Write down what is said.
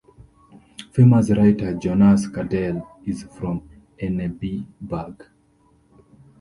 Famous writer Jonas Gardell is from Enebyberg.